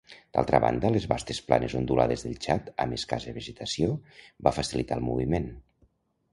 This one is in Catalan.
D'altra banda, les vastes planes ondulades del Txad amb escassa vegetació va facilitar el moviment.